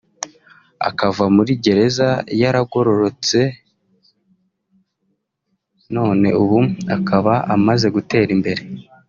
akava muri gereza yaragororotse none ubu akaba amaze gutera imbere